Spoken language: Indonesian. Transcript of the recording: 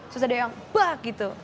susah doyang bah gitu